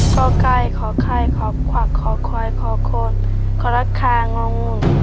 โกขัยขอไขขอควักขอควายขอโคนขอรักษางงหนุ